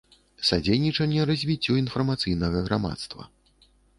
Садзейнiчанне развiццю iнфармацыйнага грамадства.